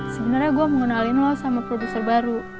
sebenernya gue mau ngenalin lo sama produser baru